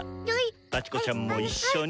バチコちゃんも一緒に！